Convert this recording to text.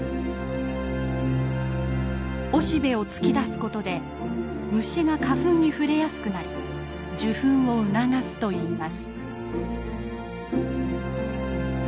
おしべを突き出すことで虫が花粉に触れやすくなり受粉を促すといいます。